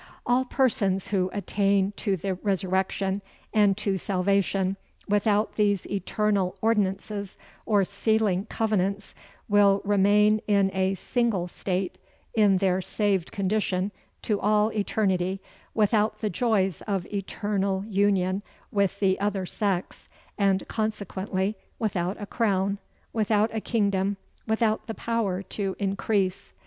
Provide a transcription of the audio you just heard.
All persons who attain to the resurrection, and to salvation, without these eternal ordinances, or sealing covenants, will remain in a single state, in their saved condition, to all eternity, without the joys of eternal union with the other sex, and consequently without a crown, without a kingdom, without the power to increase.